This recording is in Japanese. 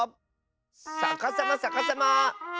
さかさまさかさま。